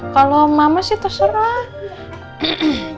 kalau mama sih terserah